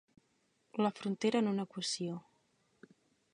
La frontera en una equació.